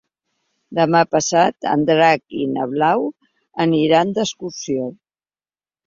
Demà passat en Drac i na Blau aniran d'excursió.